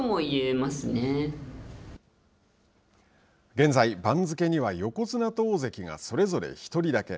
現在、番付には横綱と大関がそれぞれ１人だけ。